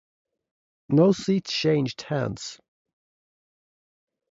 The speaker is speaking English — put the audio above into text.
No seats changed hands.